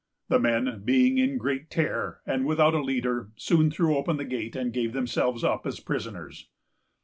The men, being in great terror, and without a leader, soon threw open the gate, and gave themselves up as prisoners.